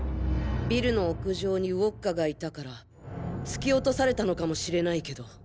ビルの屋上にウォッカがいたから突き落とされたのかもしれないけど。